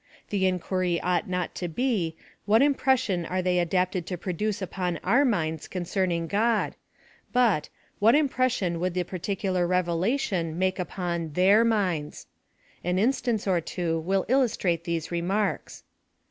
The inquiry ought not to be, what impres sion are they adapted to produce upon our minds concerning God, but, what impression would the particular revelation make upon THEIR minds. An instance or two will illustrate these remarks.